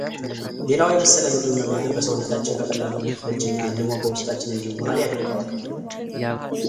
ሌላው የበሰለ ምግብን መመገብ በሰውነታችን በቀላሉ እንዲፈጭ እና ልሞ በውስጣችን እንዲዋሀድ ያደርገዋል።